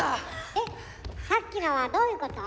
でさっきのはどういうこと？